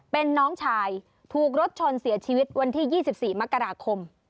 เป็นน้องชายถูกรถชนเสียชีวิตวันที่๒๔มกราคม